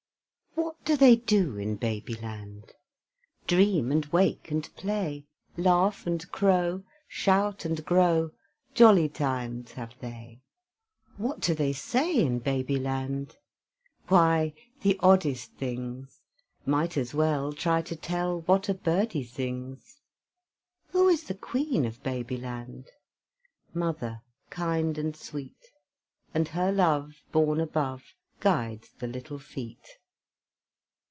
What do they do in Baby Land? Dream and wake and play, Laugh and crow, Shout and grow, Jolly times have they. What do they say in Baby Land? Why, the oddest things; Might as well Try to tell What a birdie sings. Who is the Queen of Baby Land? Mother kind and sweet; And her love, Born above, Guides the little feet.